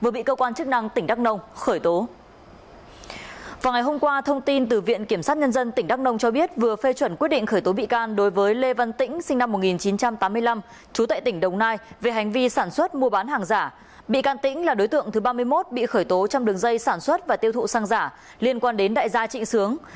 bị can tĩnh là đối tượng thứ ba mươi một bị khởi tố trong đường dây sản xuất và tiêu thụ xăng giả liên quan đến đại gia trịnh sướng